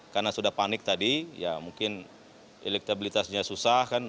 karena sudah panik tadi ya mungkin elektabilitasnya susah kan